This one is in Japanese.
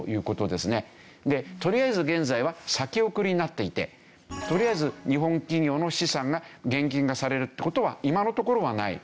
とりあえず現在は先送りになっていてとりあえず日本企業の資産が現金化されるって事は今のところはない。